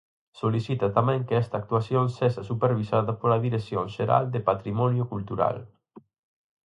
Solicita tamén que esta actuación sexa supervisada pola Dirección Xeral de Patrimonio Cultural.